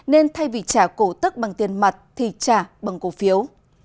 nên thay vì trả cổ tức bằng tiền mặt thì trả bằng cổ phiếu